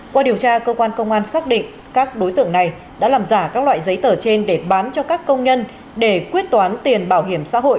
qua điều tra cơ quan công an xác định các đối tượng này đã làm giả các loại giấy tờ trên để bán cho các công nhân để quyết toán tiền bảo hiểm xã hội